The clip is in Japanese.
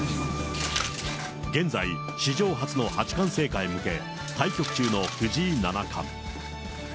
現在、史上初の八冠制覇へ向け、対局中の藤井七冠。